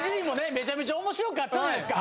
めちゃめちゃ面白かったじゃないですか。